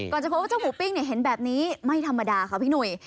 จะพบว่าเจ้าหมูปิ้งเห็นแบบนี้ไม่ธรรมดาค่ะพี่หนุ่ย